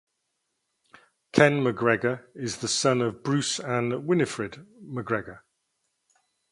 Ken McGregor is the son of Bruce and Winnifred McGregor.